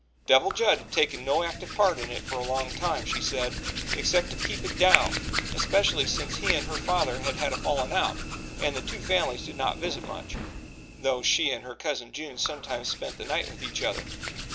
Devil Judd had taken no active part in it for a long time, she said, except to keep it down especially since he and her father had had a "fallin' out" and the two families did not visit much though she and her cousin June sometimes spent the night with each other.